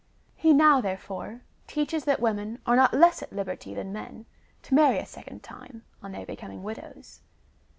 He now, therefore, teaches that women are not less at liberty than men to marry a second time, on their becoming widows.